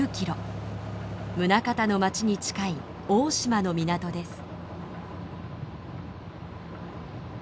宗像の町に近い大島の港です。